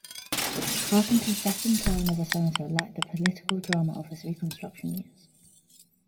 Carpenter's second term as senator lacked the political drama of his Reconstruction years.